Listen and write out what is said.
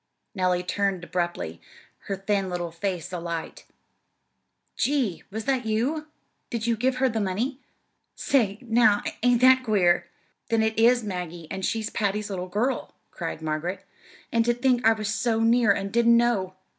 Nellie turned abruptly, her thin little face alight. "Gee! Was that you? Did you give her the money? Say, now, ain't that queer!" "Then it is Maggie, and she's Patty's little girl," cried Margaret. "And to think I was so near and didn't know!